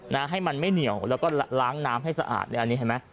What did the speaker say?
ให้มันไม่เหนียวแล้วก็ล้างน้ำให้สะอาดเลยอันนี้เห็นไหม